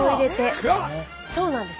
そうなんです。